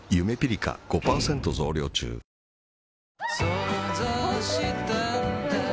想像したんだ